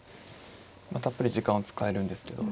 たっぷり時間を使えるんですけど。